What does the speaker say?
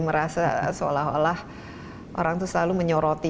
merasa seolah olah orang itu selalu menyoroti